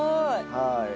はい。